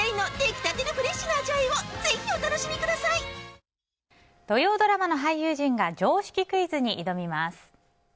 明治おいしい牛乳土曜ドラマの俳優陣が常識クイズに挑みます。